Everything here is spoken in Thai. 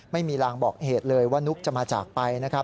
ไม่มีรางบอกเหตุเลยว่านุ๊กจะมาจากไปนะครับ